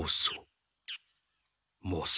モソ。